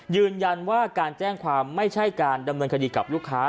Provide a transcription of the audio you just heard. ยืนยันว่าการแจ้งความไม่ใช่การดำเนินคดีกับลูกค้า